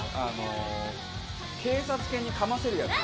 警察犬にかませるやつ。